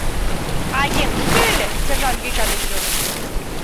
— А еҥ уке ыле? — сержант йоча деч йодо.